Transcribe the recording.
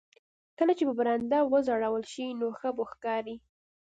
کله چې په برنډه وځړول شي نو ښه به ښکاري